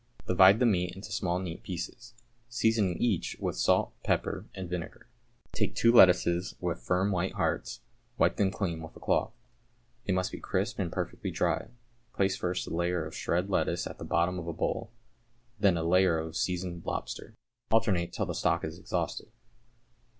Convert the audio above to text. Divide the meat into small neat pieces, seasoning each with salt, pepper, and vinegar. Take two lettuces with firm, white hearts, wipe them clean with a cloth. They must be crisp and perfectly dry. Place first a layer of shred lettuce at the bottom of a bowl, then a layer of seasoned lobster; alternate till the stock is exhausted.